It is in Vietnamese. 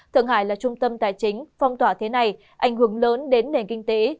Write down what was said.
thượng hải là trung tâm tài chính phong tỏa thế này ảnh hưởng lớn đến nền kinh tế